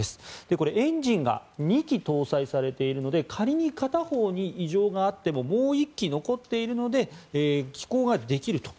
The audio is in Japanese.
これ、エンジンが２基搭載されているので仮に片方に異常があってももう１基残っているので飛行ができると。